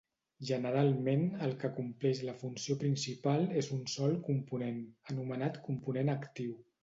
Generalment el que compleix la funció principal és un sol component, anomenat component actiu.